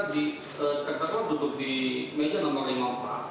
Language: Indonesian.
ketika duduk di meja nomor lima ampah